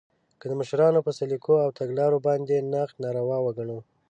که د مشرانو په سلیقو او تګلارو باندې نقد ناروا وګڼو